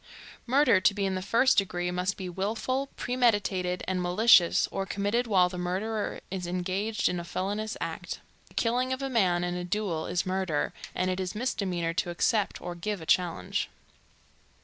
Murder to be in the first degree must be willful, premeditated and malicious, or committed while the murderer is engaged in a felonious act. The killing of a man in a duel is murder, and it is a misdemeanor to accept or give a challenge.